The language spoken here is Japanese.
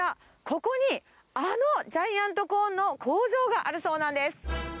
ここに、あのジャイアントコーンの工場があるそうなんです。